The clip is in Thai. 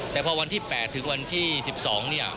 แต่พอวันที่๘ถึงวันที่๑๒เนี่ย